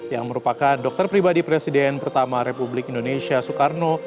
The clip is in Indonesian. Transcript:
yang merupakan dokter pribadi presiden pertama republik indonesia soekarno